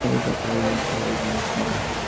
পক্ষপাত-জিনিসটা স্বাভাবিক জিনিস নয়।